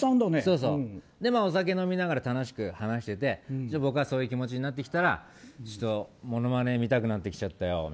それでお酒飲みながら楽しく話してて、僕はそういう気持ちになってきたらちょっとモノマネ見たくなってきちゃったよ